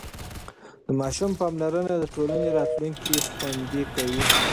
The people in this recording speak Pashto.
د ماشوم پاملرنه د ټولنې راتلونکی خوندي کوي.